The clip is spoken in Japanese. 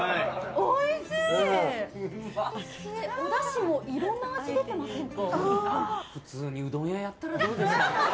おだしもいろんな味が出てませんか。